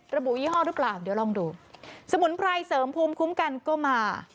ระบุยี่ห้อหรือเปล่าเดี๋ยวลองดูสมุนไพรเสริมภูมิคุ้มกันก็มา